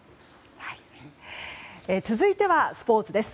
続いてはスポーツです。